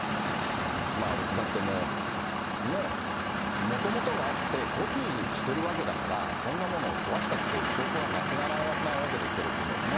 だってもう、ね、もともとがあって、コピーしてるわけだから、そんなものを壊したって証拠はなくならないわけですけど、このね。